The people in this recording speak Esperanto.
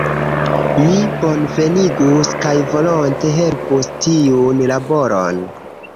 Mi bonvenigus kaj volonte helpus tiun laboron.